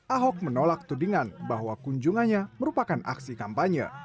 ahok menolak tudingan bahwa kunjungannya merupakan aksi kampanye